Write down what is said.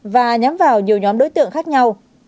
và nhắm vào nhiều nhóm đồng bộ